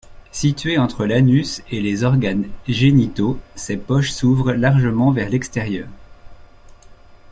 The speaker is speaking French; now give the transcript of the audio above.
Situées entre l'anus et les organes génitaux, ces poches s'ouvrent largement vers l'extérieur.